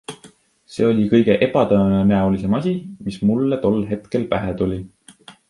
See oli kõige ebatõenäolisem asi, mis mulle tol hetkel pähe tuli.